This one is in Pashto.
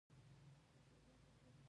یووالی او ورورولي د ملتونو د بریا راز دی.